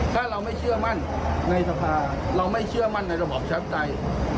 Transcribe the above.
ถ้าเราไม่เชื่อมั่นในสภาเราไม่เชื่อมั่นในระบอบประชาปไตย